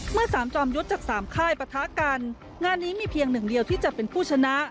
สามจอมยุทธ์จากสามค่ายปะทะกันงานนี้มีเพียงหนึ่งเดียวที่จะเป็นผู้ชนะ